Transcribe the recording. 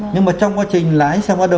nhưng mà trong quá trình lái xe bắt đầu